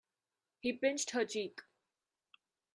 He pinched her cheek.